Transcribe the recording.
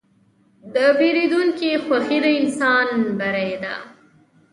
د پیرودونکي خوښي د انسان بری ده.